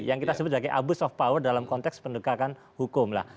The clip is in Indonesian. yang kita sebut sebagai abuse of power dalam konteks pendegakan hukum lah